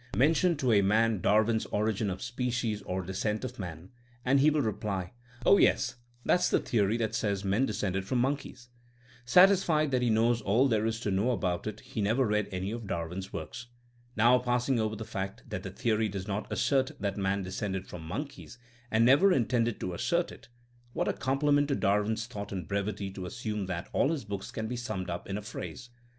Mention to a man Dar win's Origin of Species or Descent of Man, and he will reply, Oh, yes, that's the theory that says men descended from monkeys. '* Satisfied that he knows all there is to know about it, he never reads any of Darwin's works. Now passing over the fact that the theory does not assert that man descended from monkeys and never intended to assert it ;— ^what a compliment to Darwin 's thought and brevity to assume that all his books can be summed up in a phrase!